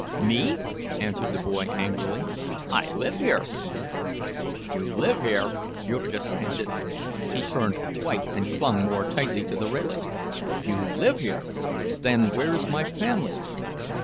"Me?" answered the boy, angrily. "I live here." "You live here!" Jurgis panted. He turned white and clung more tightly to the railing. "You live here! Then where's my family?"